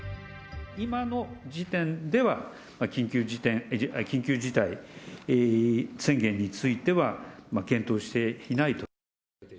今の時点では、緊急事態宣言については、検討していないと。